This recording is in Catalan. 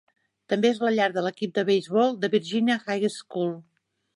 També és la llar de l'equip de beisbol de Virginia High School.